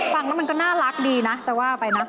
ฟังแล้วมันก็น่ารักดีนะจะว่าไปนะ